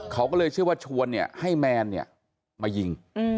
เขาก็เลยเชื่อว่าชวนให้แมนมายิง